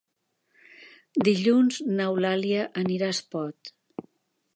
Dilluns n'Eulàlia anirà a Espot.